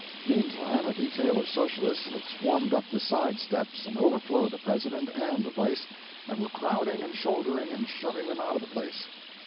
Meantime a detail of Socialists had swarmed up the side steps and overflowed the President and the Vice, and were crowding and shouldering and shoving them out of the place.